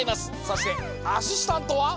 そしてアシスタントは。